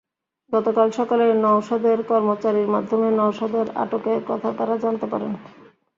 গতকাল সকালে নওশাদের কর্মচারীর মাধ্যমে নওশাদের আটকের কথা তাঁরা জানতে পারেন।